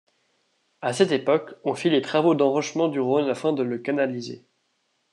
À cette époque, on fit les travaux d'enrochement du Rhône afin de le canaliser.